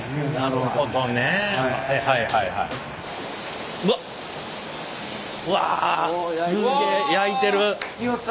すっげえ焼いてる。